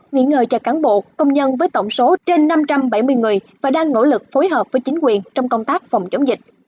nghỉ ngơi cho cán bộ công nhân với tổng số trên năm trăm bảy mươi người và đang nỗ lực phối hợp với chính quyền trong công tác phòng chống dịch